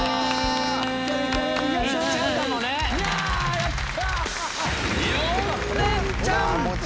やった！